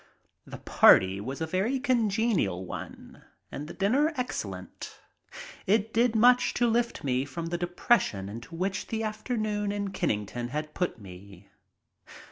The party was a very congenial one and the dinner excellent. It did much to lift me from the depression into which the afternoon in Kennington had put me.